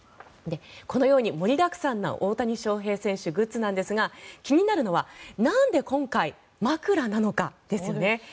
このように盛りだくさんな大谷翔平選手のグッズなんですが気になるのは、なんで今回枕なのかですよね。